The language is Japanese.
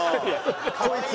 こいつ。